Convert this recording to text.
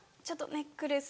ネックレス？